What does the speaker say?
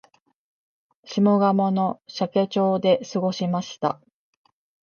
下鴨の社家町で過ごしました